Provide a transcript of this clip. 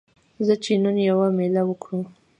ځه چې نن یوه میله وکړو